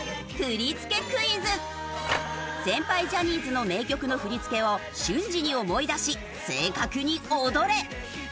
先輩ジャニーズの名曲の振り付けを瞬時に思い出し正確に踊れ！